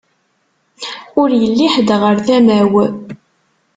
Ur yelli ḥed ɣer tama-w.